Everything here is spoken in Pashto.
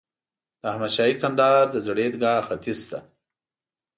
د احمد شاهي کندهار د زړې عیدګاه ختیځ ته.